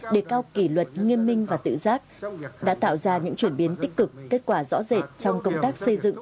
đề cao kỷ luật nghiêm minh và tự giác đã tạo ra những chuyển biến tích cực kết quả rõ rệt trong công tác xây dựng